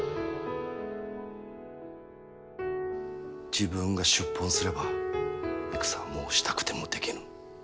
自分が出奔すれば戦はもうしたくてもできぬ。